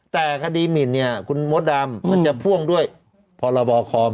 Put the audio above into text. แต่คดีมินคุณมดดำมันจะพ่วงด้วยพลค